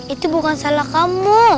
itu bukan salah kamu